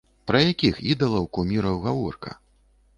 Пра якіх ідалаў, куміраў гаворка?